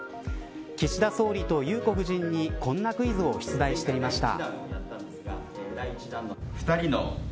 岸田総理と裕子夫人にこんなクイズを出題していました。